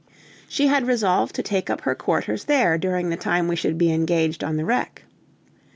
She had resolved to take up her quarters there during the time we should be engaged on the wreck.